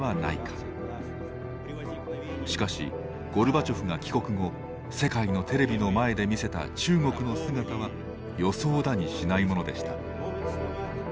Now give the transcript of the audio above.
しかしゴルバチョフが帰国後世界のテレビの前で見せた中国の姿は予想だにしないものでした。